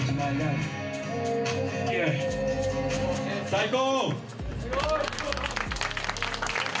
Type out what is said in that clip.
最高！